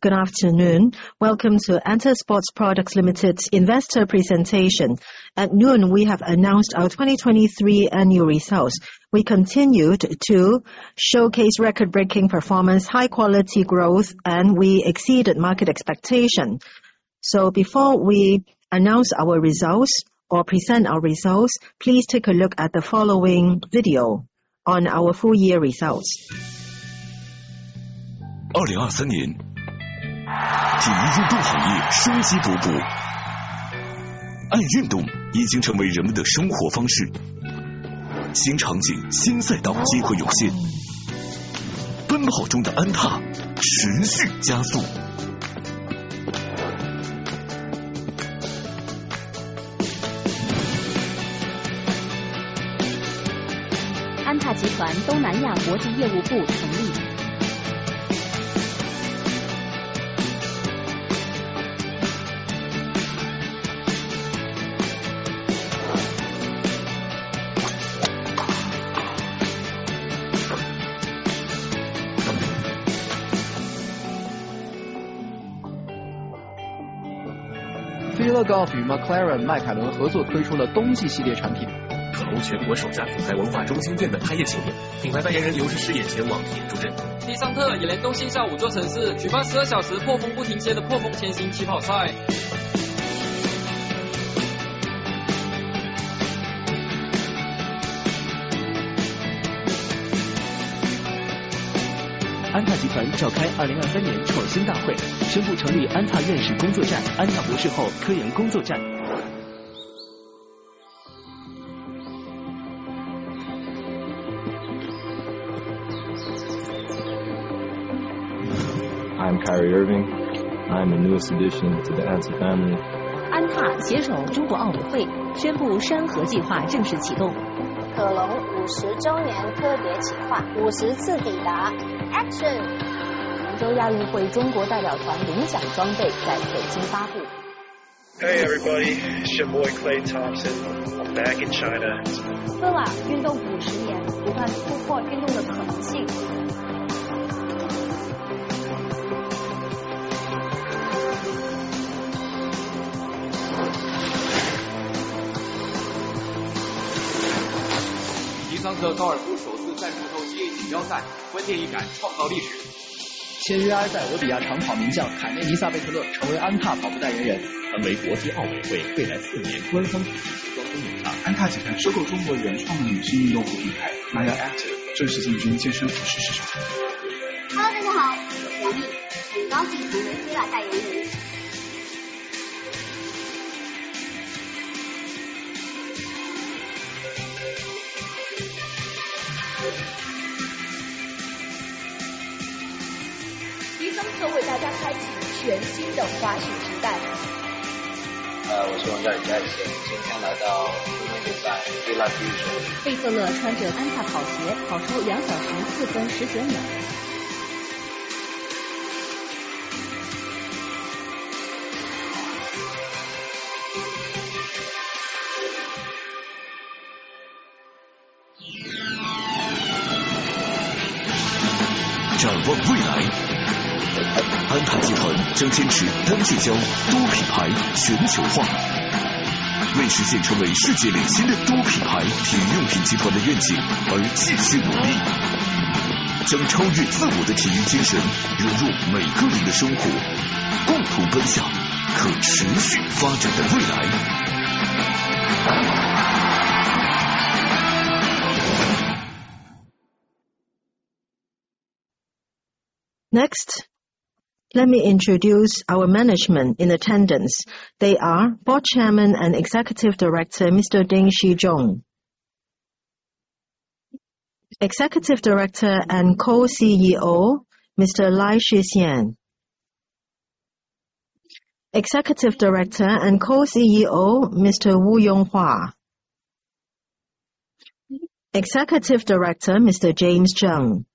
Good afternoon. Welcome to ANTA Sports Products Limited's investor presentation. At noon, we have announced our 2023 annual results. We continued to showcase record-breaking performance, high-quality growth, and we exceeded market expectation. So before we announce our results or present our results, please take a look at the following video on our full year results. Next, let me introduce our management in attendance. They are Board Chairman and Executive Director, Mr. Ding Shizhong. Executive Director and Co-CEO, Mr. Lai Shixian. Executive Director and Co-CEO, Mr. Wu Yonghua. Executive Director, Mr. James Zheng.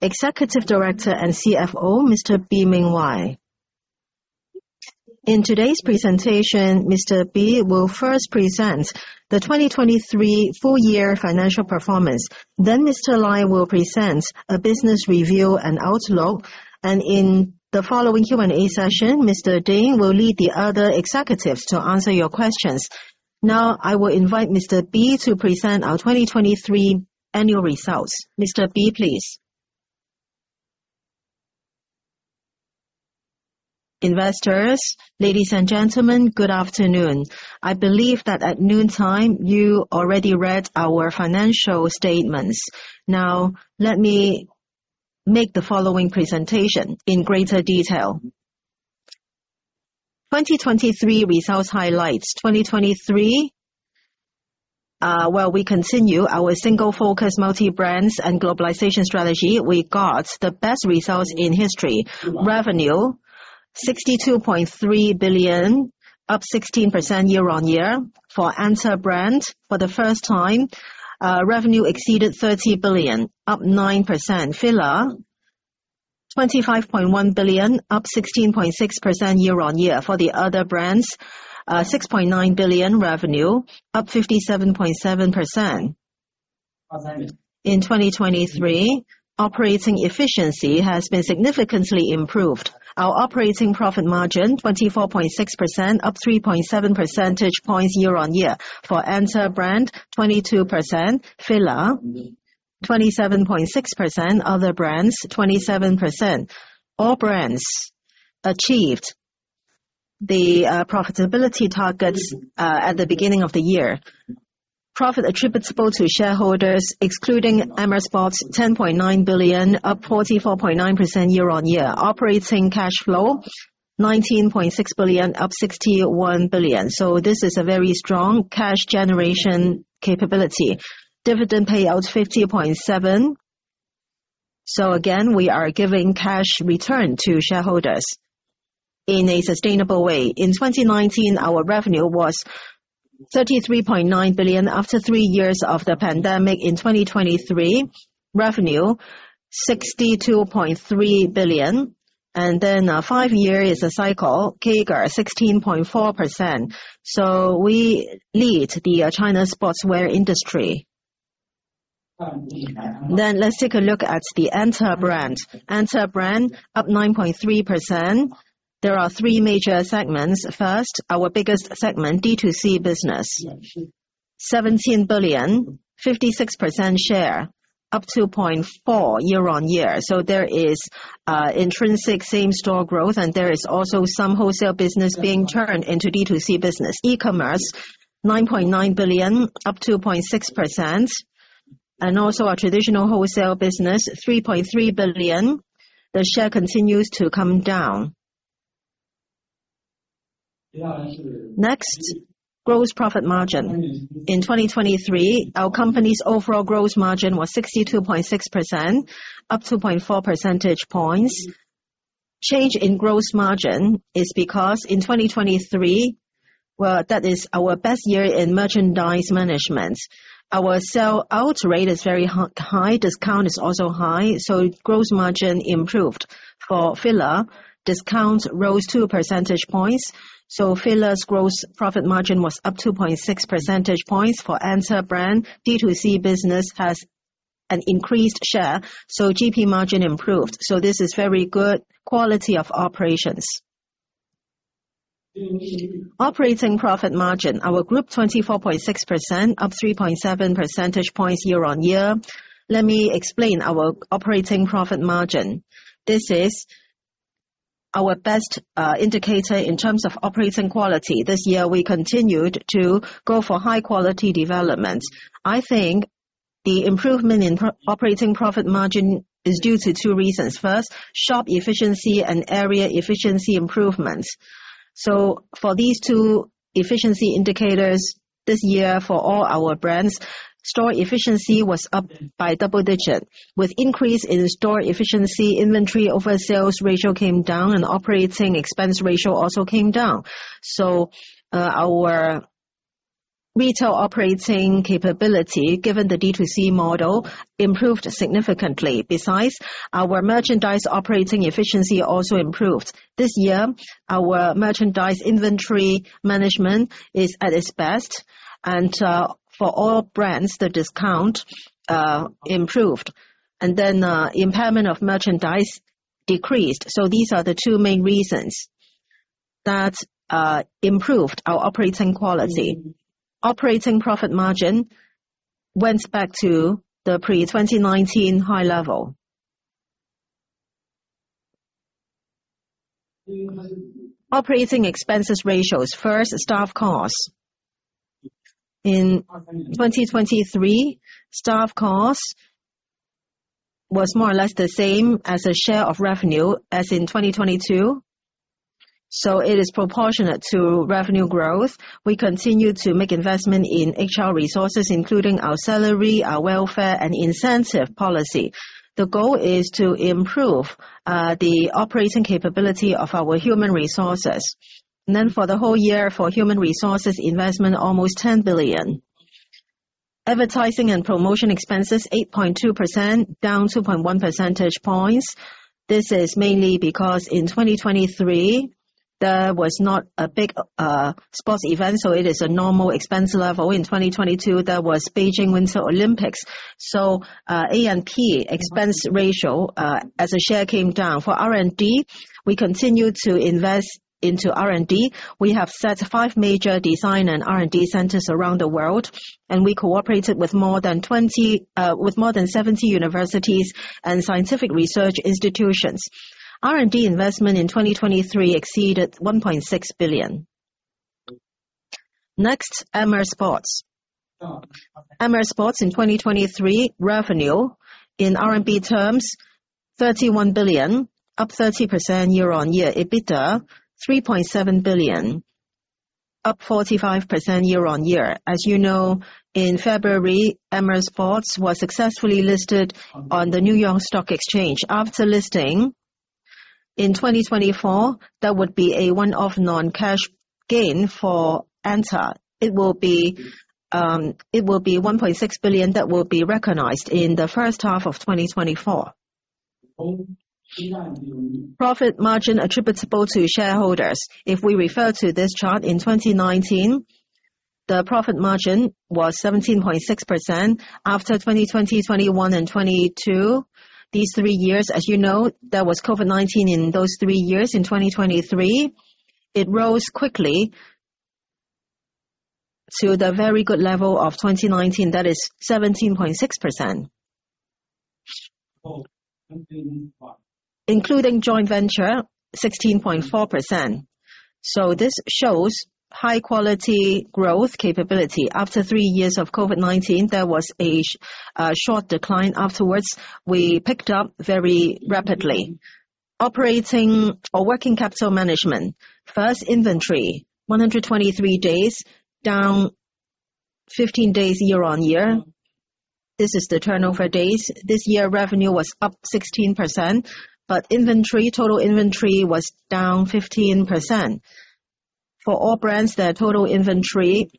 Executive Director and CFO, Mr. Bi Mingwei. In today's presentation, Mr. Bi will first present the 2023 full year financial performance, then Mr. Lai will present a business review and outlook, and in the following Q&A session, Mr. Ding will lead the other executives to answer your questions. Now, I will invite Mr. Bi to present our 2023 annual results. Mr. Bi, please. Investors, ladies and gentlemen, good afternoon. I believe that at noontime, you already read our financial statements. Now, let me make the following presentation in greater detail. 2023 results highlights. 2023, well, we continue our single focus, multi-brands, and globalization strategy. We got the best results in history. Revenue, 62.3 billion, up 16% year-on-year. For ANTA brand, for the first time, revenue exceeded 30 billion, up 9%. FILA, 25.1 billion, up 16.6% year-on-year. For the other brands, 6.9 billion revenue, up 57.7%. In 2023, operating efficiency has been significantly improved. Our operating profit margin, 24.6%, up 3.7 percentage points year-on-year. For ANTA brand, 22%. FILA, 27.6%. Other brands, 27%. All brands achieved the profitability targets at the beginning of the year. Profit attributable to shareholders, excluding Amer Sports, 10.9 billion, up 44.9% year-on-year. Operating cash flow, 19.6 billion, up 61%. So this is a very strong cash generation capability. Dividend payout, 50.7%. So again, we are giving cash return to shareholders in a sustainable way. In 2019, our revenue was 33.9 billion. After three years of the pandemic in 2023, revenue 62.3 billion, and then five-year is a cycle, CAGR 16.4%. So we lead the China sportswear industry. Then let's take a look at the ANTA brand. ANTA brand, up 9.3%. There are three major segments. First, our biggest segment, D2C business, 17 billion, 56% share, up 2.4% year-on-year. So there is intrinsic same-store growth, and there is also some wholesale business being turned into D2C business. E-commerce, 9.9 billion, up 2.6%, and also our traditional wholesale business, 3.3 billion. The share continues to come down. Next, gross profit margin. In 2023, our company's overall gross margin was 62.6%, up 2.4 percentage points. Change in gross margin is because in 2023, well, that is our best year in merchandise management. Our sell-out rate is very high. Discount is also high, so gross margin improved. For FILA, discounts rose 2 percentage points, so FILA's gross profit margin was up 2.6 percentage points. For ANTA brand, D2C business has an increased share, so GP margin improved. So this is very good quality of operations. Operating profit margin, our group 24.6%, up 3.7 percentage points year-on-year. Let me explain our operating profit margin. This is our best indicator in terms of operating quality. This year, we continued to go for high-quality development. I think the improvement in operating profit margin is due to two reasons: first, shop efficiency and area efficiency improvements. So for these two efficiency indicators, this year, for all our brands, store efficiency was up by double digit. With increase in store efficiency, inventory over sales ratio came down, and operating expense ratio also came down. So, our retail operating capability, given the D2C model, improved significantly. Besides, our merchandise operating efficiency also improved. This year, our merchandise inventory management is at its best, and, for all brands, the discount improved, and then, impairment of merchandise decreased. So these are the two main reasons that improved our operating quality. Operating profit margin went back to the pre-2019 high level. Operating expenses ratios. First, staff costs. In 2023, staff costs was more or less the same as a share of revenue as in 2022, so it is proportionate to revenue growth. We continue to make investment in HR resources, including our salary, our welfare, and incentive policy. The goal is to improve the operating capability of our human resources. And then for the whole year, for human resources investment, almost 10 billion. Advertising and promotion expenses, 8.2%, down 2.1 percentage points. This is mainly because in 2023, there was not a big sports event, so it is a normal expense level. In 2022, there was Beijing Winter Olympics, so A&P expense ratio, as a share, came down. For R&D, we continued to invest into R&D. We have set five major design and R&D centers around the world, and we cooperated with more than 70 universities and scientific research institutions. R&D investment in 2023 exceeded 1.6 billion. Next, Amer Sports. Amer Sports in 2023, revenue in RMB terms, 31 billion RMB, up 30% year-on-year. EBITDA, 3.7 billion, up 45% year-on-year. As you know, in February, Amer Sports was successfully listed on the New York Stock Exchange. After listing, in 2024, there would be a one-off non-cash gain for ANTA. It will be one point six billion that will be recognized in the first half of 2024. Profit margin attributable to shareholders. If we refer to this chart, in 2019, the profit margin was 17.6%. After 2020, 2021, and 2022, these three years, as you know, there was COVID-19 in those three years. In 2023, it rose quickly to the very good level of 2019, that is 17.6%. Including joint venture, 16.4%. So this shows high-quality growth capability. After three years of COVID-19, there was a short decline afterwards. We picked up very rapidly. Operating or working capital management. First, inventory, 123 days, down 15 days year-on-year. This is the turnover days. This year, revenue was up 16%, but inventory, total inventory was down 15%. For all brands, their total inventory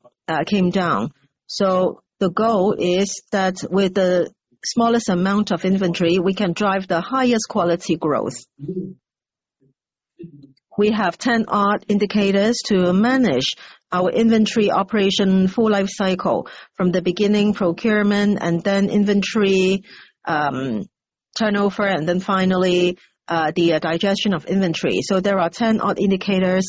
came down. So the goal is that with the smallest amount of inventory, we can drive the highest quality growth. We have 10+ indicators to manage our inventory operation full life cycle, from the beginning procurement, and then inventory, turnover, and then finally, the digestion of inventory. So there are 10+ indicators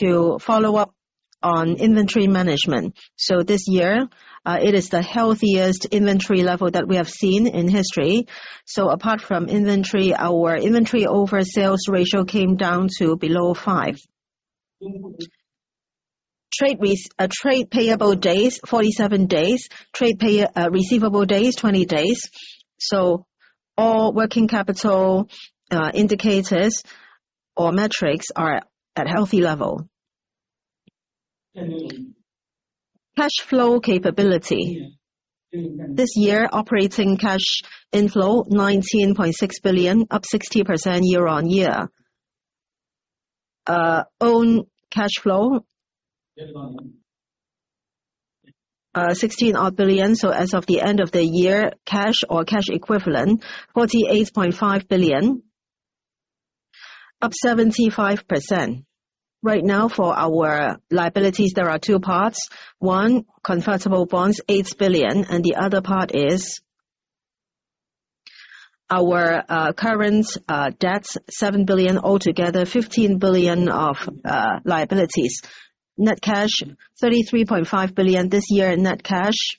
to follow up on inventory management. So this year, it is the healthiest inventory level that we have seen in history. So apart from inventory, our inventory over sales ratio came down to below five. Trade payable days, 47 days. Trade receivable days, 20 days. So all working capital, indicators or metrics are at healthy level. Cash flow capability. This year, operating cash inflow, 19.6 billion, up 60% year-on-year. Own cash flow, 16+ billion. So as of the end of the year, cash or cash equivalent, 48.5 billion, up 75%. Right now, for our liabilities, there are two parts. One, convertible bonds, 8 billion, and the other part is our current debts, 7 billion, altogether 15 billion of liabilities. Net cash, 33.5 billion. This year, net cash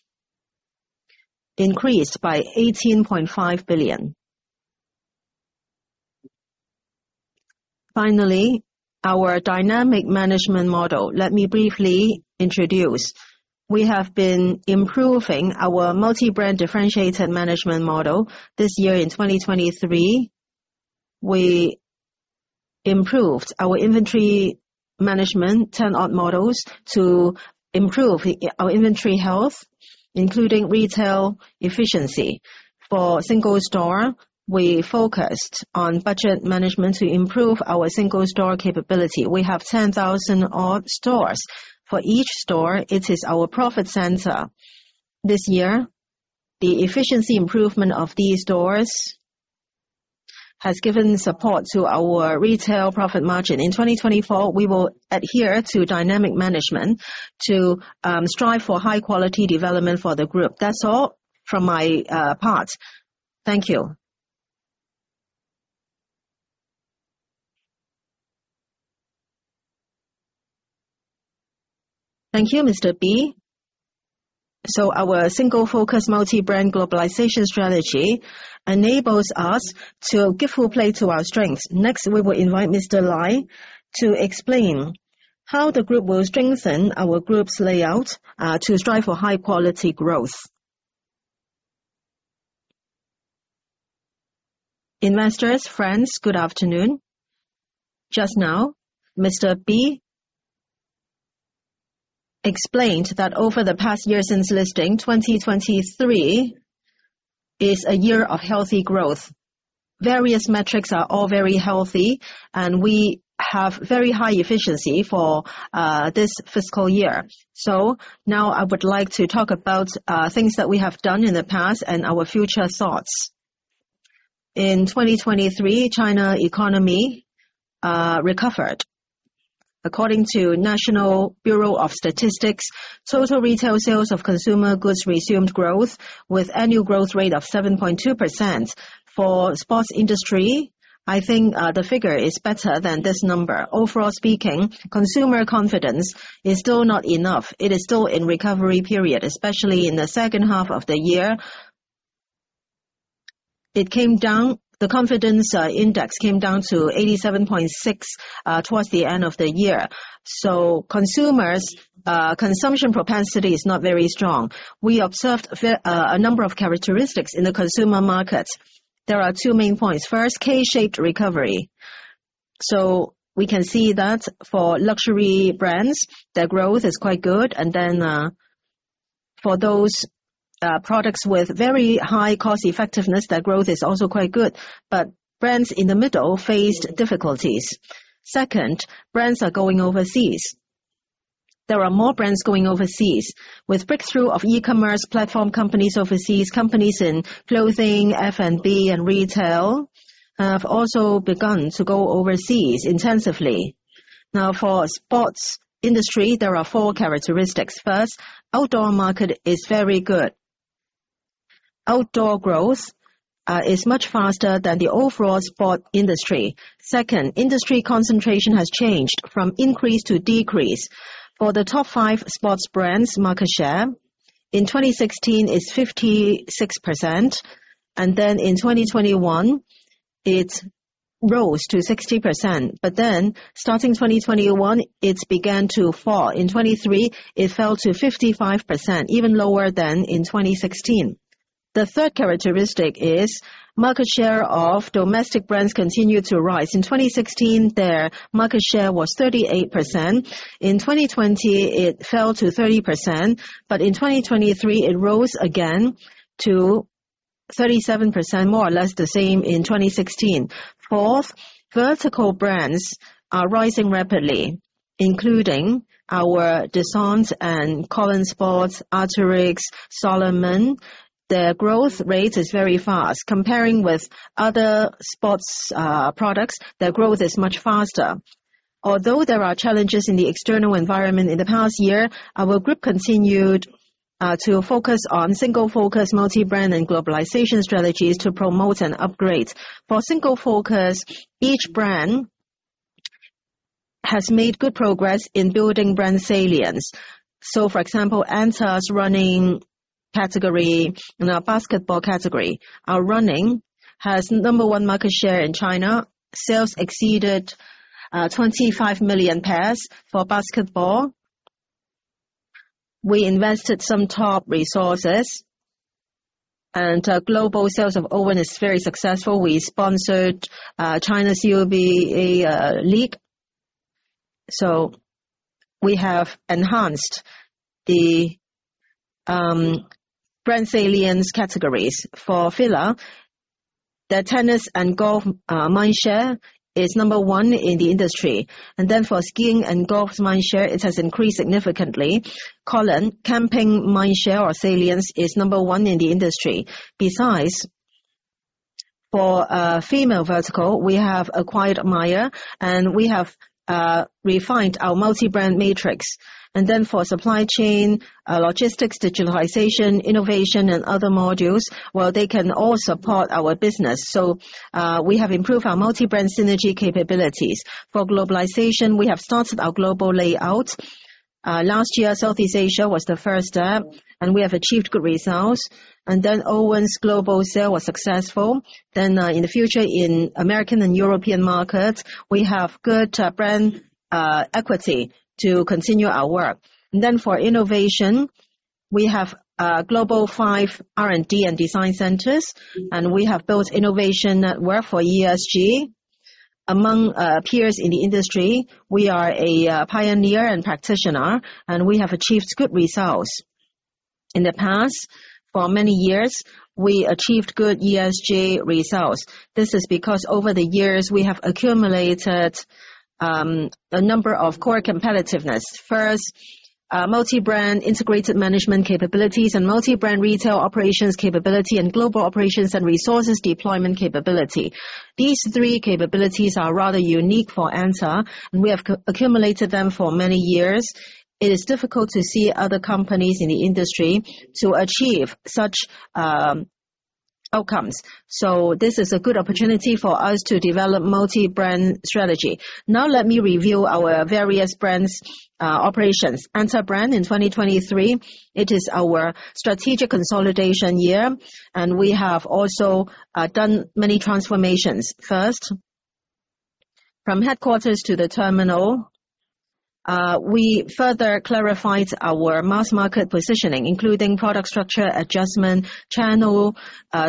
increased by 18.5 billion. Finally, our dynamic management model. Let me briefly introduce. We have been improving our multi-brand differentiated management model. This year in 2023, we improved our inventory management 10-odd models to improve our inventory health, including retail efficiency. For single store, we focused on budget management to improve our single store capability. We have 10,000-odd stores. For each store, it is our profit center. This year, the efficiency improvement of these stores has given support to our retail profit margin. In 2024, we will adhere to dynamic management to strive for high-quality development for the group. That's all from my part. Thank you. Thank you, Mr. Bi. So our single-focus, multi-brand globalization strategy enables us to give full play to our strengths. Next, we will invite Mr. Lai to explain how the group will strengthen our group's layout to strive for high-quality growth. Investors, friends, good afternoon. Just now, Mr. Bi explained that over the past year since listing, 2023 is a year of healthy growth. Various metrics are all very healthy, and we have very high efficiency for this fiscal year. So now I would like to talk about things that we have done in the past and our future thoughts. In 2023, China economy recovered. According to National Bureau of Statistics, total retail sales of consumer goods resumed growth with annual growth rate of 7.2%. For sports industry, I think, the figure is better than this number. Overall speaking, consumer confidence is still not enough. It is still in recovery period, especially in the second half of the year. It came down... The confidence index came down to 87.6, towards the end of the year, so consumers' consumption propensity is not very strong. We observed a number of characteristics in the consumer market. There are two main points. First, K-shaped recovery. So we can see that for luxury brands, their growth is quite good. And then, for those, products with very high cost effectiveness, their growth is also quite good, but brands in the middle faced difficulties. Second, brands are going overseas.... There are more brands going overseas. With breakthrough of e-commerce platform companies overseas, companies in Clothing, F&B, and Retail have also begun to go overseas intensively. Now, for sports industry, there are four characteristics. First, outdoor market is very good. Outdoor growth is much faster than the overall sport industry. Second, industry concentration has changed from increase to decrease. For the top five sports brands, market share in 2016 is 56%, and then in 2021, it rose to 60%. But then, starting 2021, it's began to fall. In 2023, it fell to 55%, even lower than in 2016. The third characteristic is market share of domestic brands continued to rise. In 2016, their market share was 38%. In 2020, it fell to 30%, but in 2023, it rose again to 37%, more or less the same in 2016. Fourth, vertical brands are rising rapidly, including our DESCENTE and KOLON SPORT, Arc'teryx, Salomon. Their growth rate is very fast. Comparing with other sports products, their growth is much faster. Although there are challenges in the external environment in the past year, our group continued to focus on single focus, multi-brand, and globalization strategies to promote and upgrade. For single focus, each brand has made good progress in building brand salience. So for example, ANTA's running category and our basketball category. Our running has number one market share in China. Sales exceeded 25 million pairs. For basketball, we invested some top resources, and global sales of Owen is very successful. We sponsored China's CBA league. So we have enhanced the brand salience categories. For FILA, their tennis and golf mindshare is number one in the industry. For skiing and golf mindshare, it has increased significantly. KOLON camping mindshare or salience is number one in the industry. Besides, for female vertical, we have acquired MAIA ACTIVE, and we have refined our multi-brand matrix. For supply chain, logistics, digitalization, innovation, and other modules, they can all support our business. We have improved our multi-brand synergy capabilities. For globalization, we have started our global layout. Last year, Southeast Asia was the first step, and we have achieved good results. Owen's global sale was successful. In the future, in American and European markets, we have good brand equity to continue our work. For innovation, we have global five R&D and design centers, and we have built innovation network for ESG. Among peers in the industry, we are a pioneer and practitioner, and we have achieved good results. In the past, for many years, we achieved good ESG results. This is because over the years, we have accumulated a number of core competitiveness. First, multi-brand integrated management capabilities and multi-brand retail operations capability and global operations and resources deployment capability. These three capabilities are rather unique for ANTA, and we have co-accumulated them for many years. It is difficult to see other companies in the industry to achieve such outcomes. So this is a good opportunity for us to develop multi-brand strategy. Now let me review our various brands operations. ANTA brand in 2023, it is our strategic consolidation year, and we have also done many transformations. First, from headquarters to the terminal, we further clarified our mass market positioning, including product structure adjustment, channel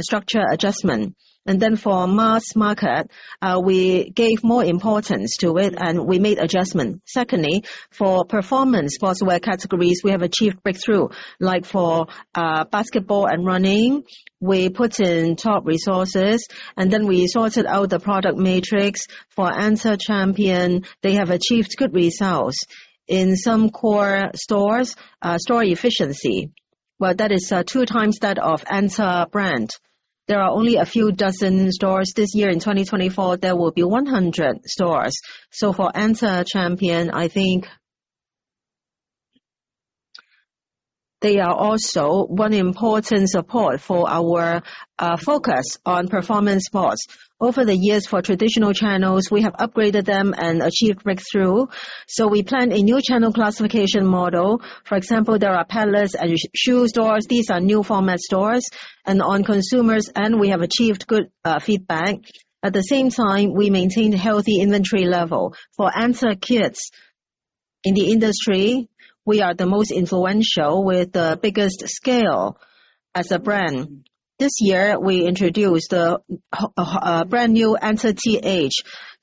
structure adjustment. And then for mass market, we gave more importance to it, and we made adjustment. Secondly, for performance sportswear categories, we have achieved breakthrough. Like for basketball and running, we put in top resources, and then we sorted out the product matrix. For ANTA Champion, they have achieved good results. In some core stores, store efficiency, well, that is, 2x that of ANTA brand. There are only a few dozen stores. This year in 2024, there will be 100 stores. So for ANTA Champion, I think they are also one important support for our focus on performance sports. Over the years, for traditional channels, we have upgraded them and achieved breakthrough. So we planned a new channel classification model. For example, there are paddlers and shoe stores. These are new format stores, and on consumers, and we have achieved good feedback. At the same time, we maintain healthy inventory level. For ANTA Kids in the industry, we are the most influential with the biggest scale as a brand. This year, we introduced a brand-new ANTA TH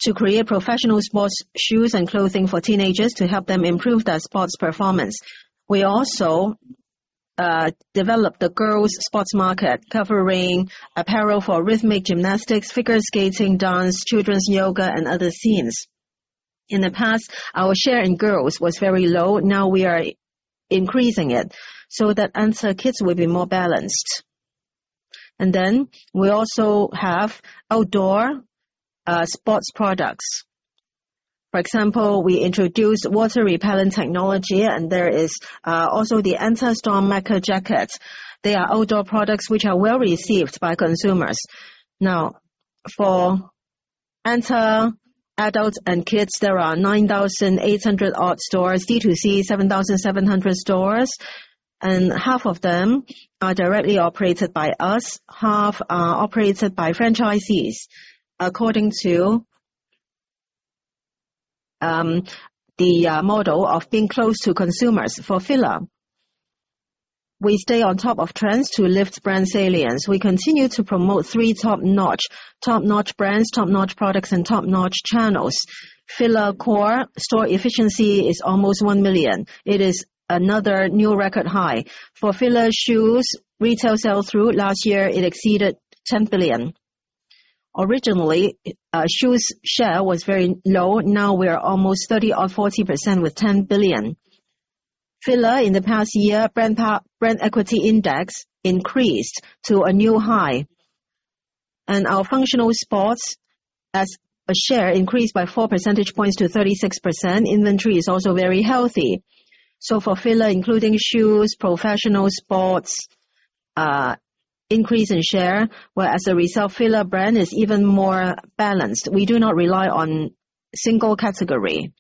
to create professional sports shoes and clothing for teenagers to help them improve their sports performance. We also develop the girls' sports market, covering apparel for rhythmic gymnastics, figure skating, dance, children's yoga, and other scenes. In the past, our share in girls was very low, now we are increasing it, so that ANTA Kids will be more balanced. And then we also have outdoor sports products. For example, we introduced water-repellent technology, and there is also the ANTA Storm Mecha jacket. They are outdoor products which are well-received by consumers. Now, for ANTA Adults and Kids, there are 9,800-odd stores, D2C, 7,700 stores, and half of them are directly operated by us, half are operated by franchisees, according to the model of being close to consumers. For FILA, we stay on top of trends to lift brand salience. We continue to promote three top-notch, top-notch brands, top-notch products, and top-notch channels. FILA core store efficiency is almost 1 million. It is another new record high. For FILA shoes, retail sell-through last year, it exceeded 10 billion. Originally, shoes share was very low, now we are almost 30% or 40% with 10 billion. FILA in the past year, brand equity index increased to a new high. Our functional sports as a share increased by 4 percentage points to 36%. Inventory is also very healthy. So for FILA, including shoes, professional sports, increase in share, whereas a result, FILA brand is even more balanced. We do not rely on single category.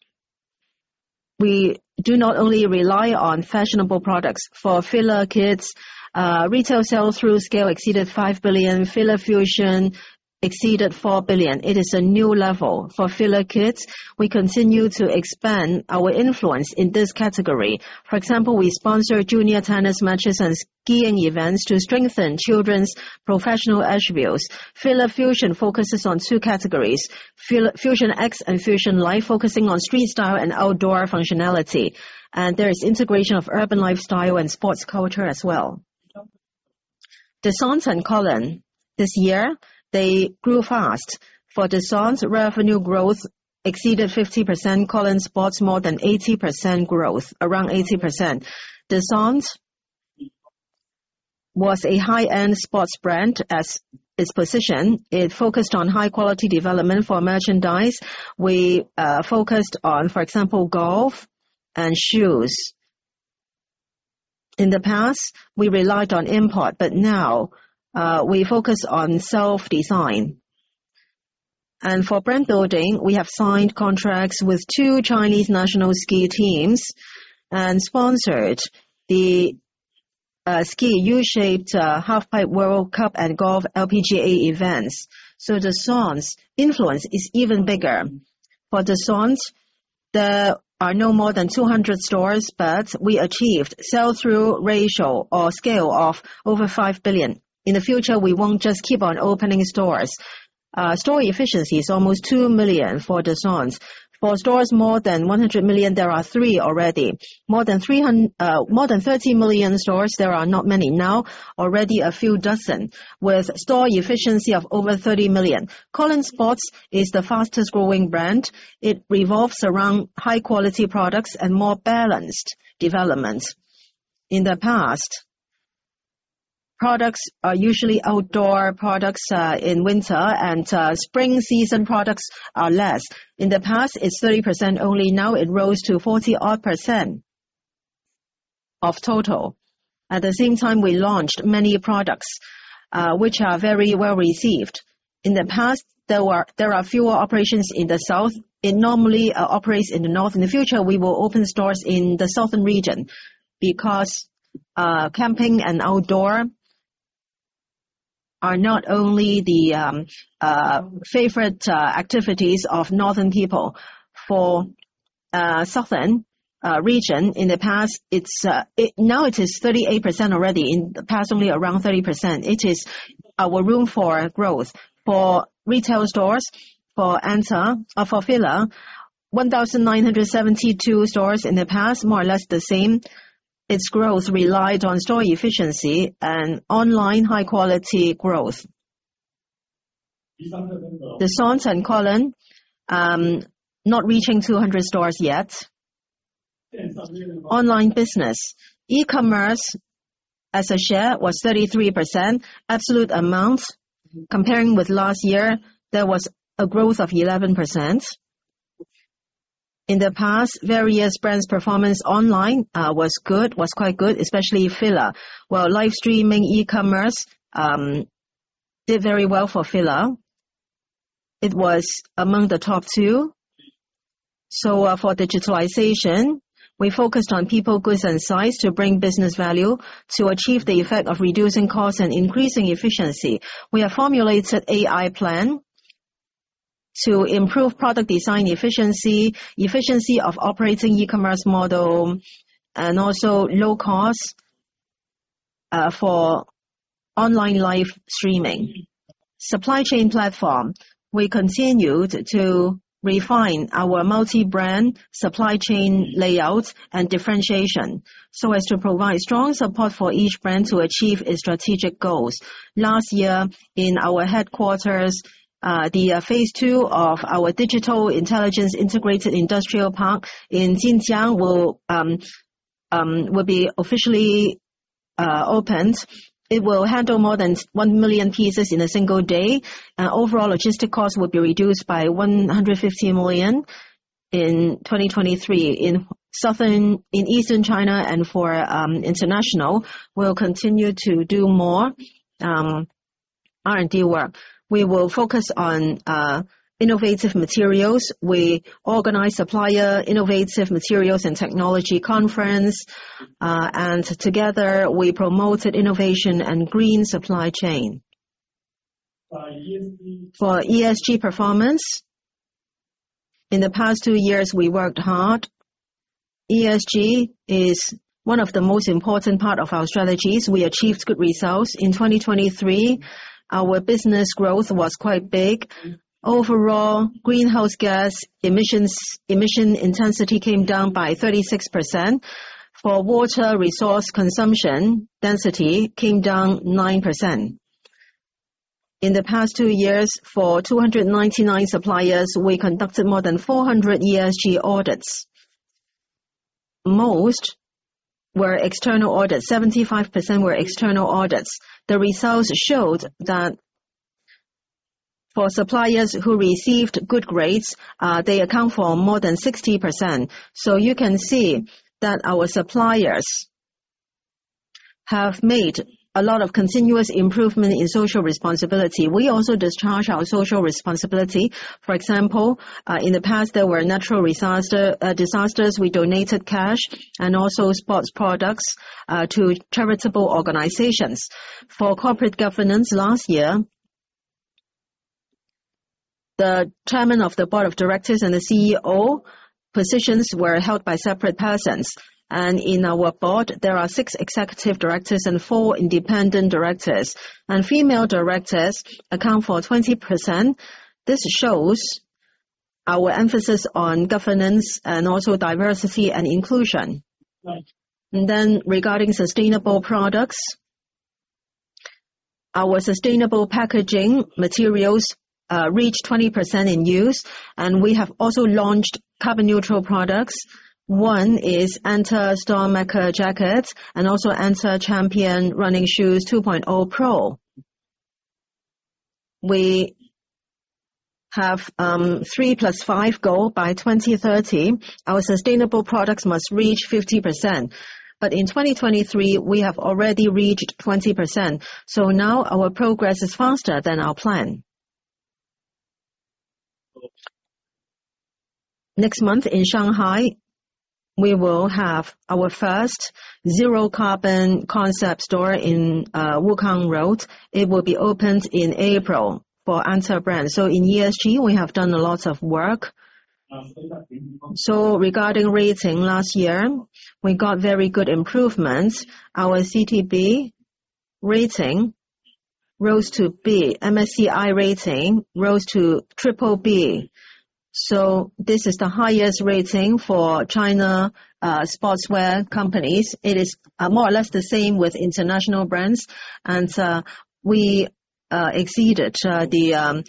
We do not only rely on fashionable products. For FILA KIDS, retail sell-through scale exceeded 5 billion, FILA FUSION exceeded 4 billion. It is a new level. For FILA KIDS, we continue to expand our influence in this category. For example, we sponsor junior tennis matches and skiing events to strengthen children's professional attributes. FILA FUSION focuses on two categories: FILA FUSION X and Fusion Life, focusing on street style and outdoor functionality, and there is integration of urban lifestyle and sports culture as well. DESCENTE and KOLON SPORT. This year, they grew fast. For DESCENTE, revenue growth exceeded 50%, KOLON SPORT, more than 80% growth, around 80%. DESCENTE was a high-end sports brand as its position. It focused on high-quality development for merchandise. We focused on, for example, golf and shoes. In the past, we relied on import, but now, we focus on self-design. And for brand building, we have signed contracts with two Chinese national ski teams and sponsored the ski U-shaped Halfpipe World Cup and Golf LPGA events. So DESCENTE influence is even bigger. For DESCENTE, there are no more than 200 stores, but we achieved sell-through ratio or scale of over 5 billion. In the future, we won't just keep on opening stores. Store efficiency is almost 2 million for DESCENTE. For stores, more than 100 million, there are three already. More than 30 million stores, there are not many now, already a few dozen, with store efficiency of over 30 million. KOLON SPORT is the fastest growing brand. It revolves around high-quality products and more balanced development. In the past, products are usually outdoor products, in winter, and, spring season products are less. In the past, it's 30% only, now it rose to 40-odd% of total. At the same time, we launched many products, which are very well-received. In the past, there are fewer operations in the south. It normally operates in the north. In the future, we will open stores in the southern region because, camping and outdoor are not only the favorite activities of northern people. For southern region, in the past, it's now, it is 38% already. In the past, only around 30%. It is our room for growth. For retail stores, for ANTA or for FILA, 1,972 stores in the past, more or less the same. Its growth relied on store efficiency and online high-quality growth. DESCENTE and KOLON, not reaching 200 stores yet. Online business, e-commerce, as a share, was 33%. Absolute amount, comparing with last year, there was a growth of 11%. In the past, various brands' performance online, was good, was quite good, especially FILA. Well, live streaming, e-commerce, did very well for FILA. It was among the top two. So, for digitalization, we focused on people, goods, and size to bring business value to achieve the effect of reducing cost and increasing efficiency. We have formulated AI plan to improve product design efficiency, efficiency of operating e-commerce model, and also low cost online live streaming. Supply chain platform, we continued to refine our multi-brand supply chain layout and differentiation, so as to provide strong support for each brand to achieve its strategic goals. Last year, in our headquarters, phase two of our digital intelligence integrated industrial park in Jinjiang will be officially opened. It will handle more than 1 million pieces in a single day, and overall logistic costs will be reduced by 150 million. In 2023, in Eastern China and for international, we'll continue to do more R&D work. We will focus on innovative materials. We organize supplier innovative materials and technology conference, and together, we promoted innovation and green supply chain. For ESG performance, in the past two years, we worked hard. ESG is one of the most important part of our strategies. We achieved good results. In 2023, our business growth was quite big. Overall, greenhouse gas emissions, emission intensity came down by 36%. For water resource consumption, density came down 9%. In the past two years, for 299 suppliers, we conducted more than 400 ESG audits. Most were external audits. 75% were external audits. The results showed that for suppliers who received good grades, they account for more than 60%. So you can see that our suppliers have made a lot of continuous improvement in social responsibility. We also discharge our social responsibility. For example, in the past, there were natural disaster, disasters. We donated cash and also sports products, to charitable organizations. For corporate governance last year, the chairman of the board of directors and the CEO positions were held by separate persons. In our board, there are six executive directors and four independent directors, and female directors account for 20%. This shows our emphasis on governance and also diversity and inclusion. Then regarding sustainable products, our sustainable packaging materials reached 20% in use, and we have also launched carbon-neutral products. One is ANTA Storm Mecha jacket and also ANTA Champion running shoes 2.0 Pro. We have 3+5 goal. By 2030, our sustainable products must reach 50%. But in 2023, we have already reached 20%, so now our progress is faster than our plan. Next month in Shanghai, we will have our first zero-carbon concept store in Wukang Road. It will be opened in April for ANTA brand. So in ESG, we have done a lot of work. So regarding rating, last year, we got very good improvements. Our CDP rating rose to B. MSCI rating rose to triple B. So this is the highest rating for China, sportswear companies. It is, more or less the same with international brands, and, we, exceeded, the,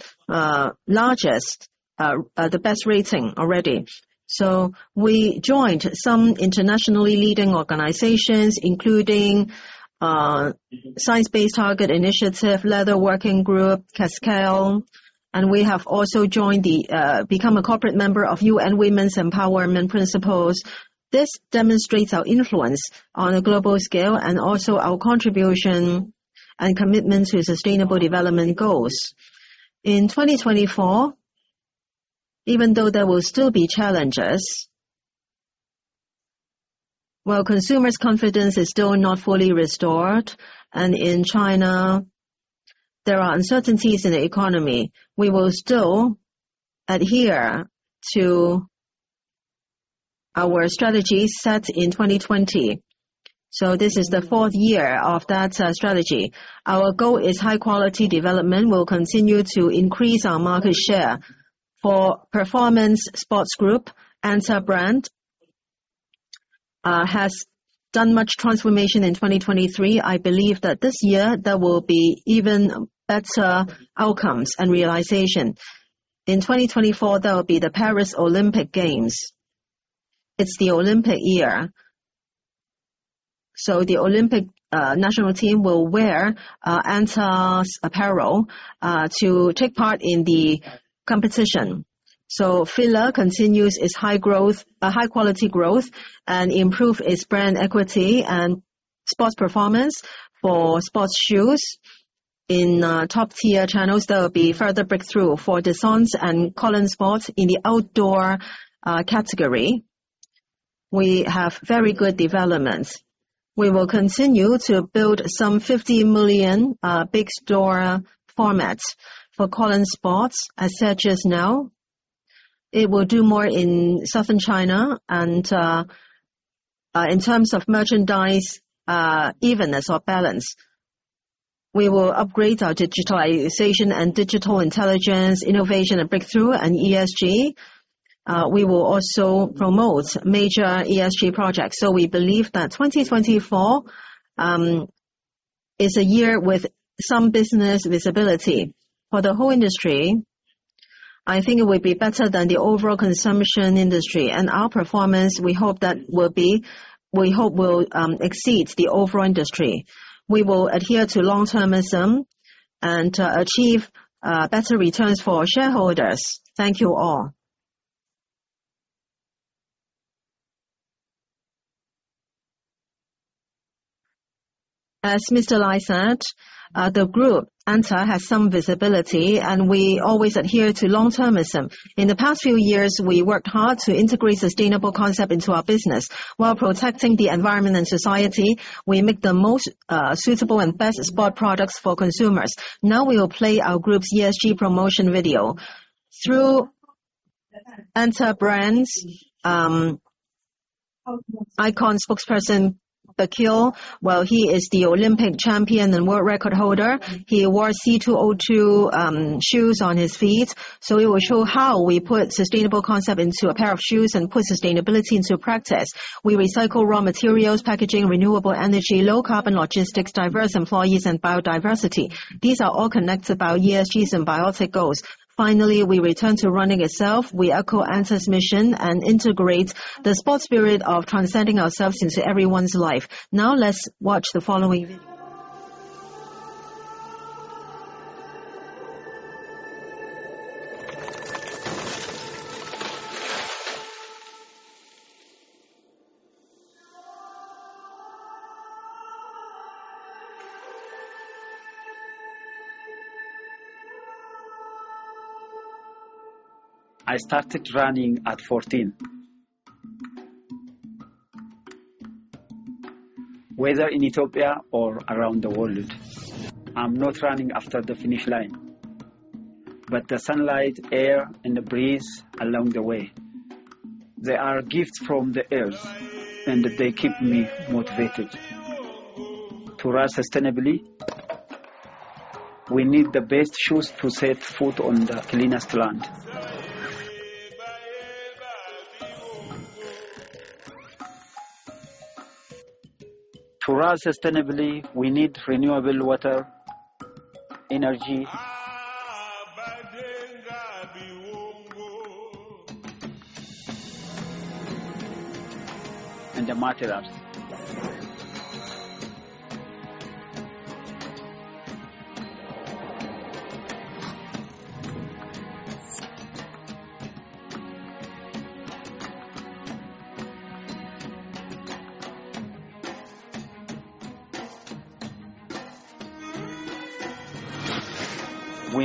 largest, the best rating already. So we joined some internationally leading organizations, including, Science Based Targets initiative, Leather Working Group, Cascale, and we have also joined the, become a corporate member of UN Women's Empowerment Principles. This demonstrates our influence on a global scale and also our contribution and commitment to sustainable development goals. In 2024, even though there will still be challenges, while consumers' confidence is still not fully restored, and in China, there are uncertainties in the economy, we will still adhere to our strategy set in 2020. So this is the fourth year of that strategy. Our goal is high-quality development. We'll continue to increase our market share. For performance sports group, ANTA brand has done much transformation in 2023. I believe that this year, there will be even better outcomes and realization. In 2024, there will be the Paris Olympic Games. It's the Olympic year, so the Olympic national team will wear ANTA's apparel to take part in the competition. So FILA continues its high growth, high-quality growth and improve its brand equity and sports performance. For sports shoes in top-tier channels, there will be further breakthrough. For DESCENTE and KOLON SPORT in the outdoor category, we have very good developments. We will continue to build some 50 million big store formats for KOLON SPORT. As said just now, it will do more in southern China and in terms of merchandise evenness or balance, we will upgrade our digitalization and digital intelligence, innovation and breakthrough, and ESG. We will also promote major ESG projects. So we believe that 2024 is a year with some business visibility. For the whole industry, I think it will be better than the overall consumption industry, and our performance, we hope that will be, we hope will exceed the overall industry. We will adhere to long-termism and achieve better returns for our shareholders. Thank you, all. As Mr. Lai said, the group, ANTA, has some visibility, and we always adhere to long-termism. In the past few years, we worked hard to integrate sustainable concept into our business. While protecting the environment and society, we make the most suitable and best sport products for consumers. Now we will play our group's ESG promotion video. Through ANTA brands, icon spokesperson, Bekele, while he is the Olympic champion and world record holder, he wore C202 shoes on his feet. So it will show how we put sustainable concept into a pair of shoes and put sustainability into practice. We recycle raw materials, packaging, renewable energy, low carbon logistics, diverse employees and biodiversity. These are all connected by ESG and SDG goals. Finally, we return to running itself. We echo ANTA's mission and integrate the sport spirit of transcending ourselves into everyone's life. Now, let's watch the following video. I started running at 14. Whether in Ethiopia or around the world, I'm not running after the finish line, but the sunlight, air, and the breeze along the way. They are gifts from the earth, and they keep me motivated. To run sustainably, we need the best shoes to set foot on the cleanest land. To run sustainably, we need renewable water, energy... and the materials.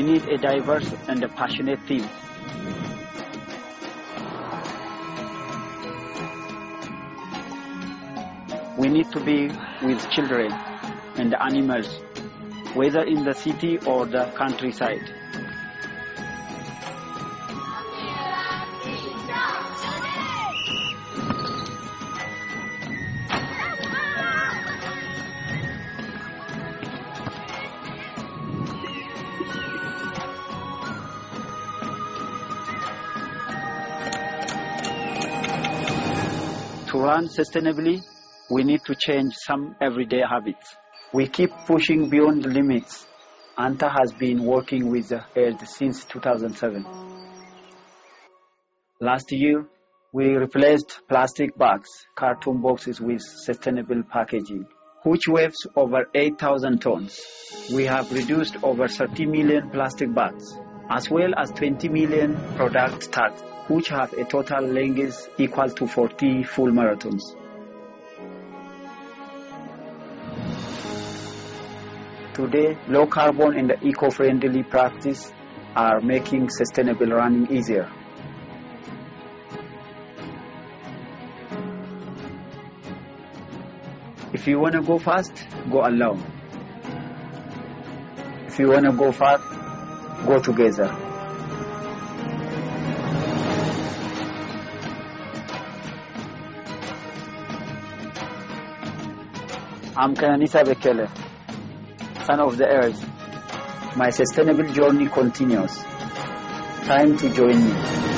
We need a diverse and a passionate team. We need to be with children and animals, whether in the city or the countryside. To run sustainably, we need to change some everyday habits. We keep pushing beyond the limits. ANTA has been working with the earth since 2007. Last year, we replaced plastic bags, carton boxes with sustainable packaging, which saves over 8,000 tons. We have reduced over 30 million plastic bags, as well as 20 million product tags, which have a total length equal to 40 full marathons. Today, low carbon and the eco-friendly practice are making sustainable running easier. If you want to go fast, go alone. If you want to go far, go together. I'm Kenenisa Bekele, son of the earth. My sustainable journey continues. Time to join me.